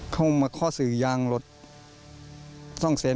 เข้ามาข้อสื่อยางรถ๒เซน